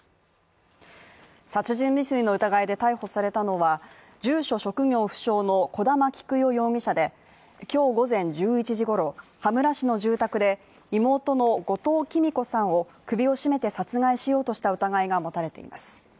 殺人未遂の疑いで逮捕されたのは住所職業不詳の小玉喜久代容疑者で今日午前１１時ごろ羽村市の住宅で妹の後藤喜美子さんを首を絞めて殺害しようとした疑いが持たれています